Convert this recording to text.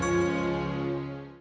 kalian mau apa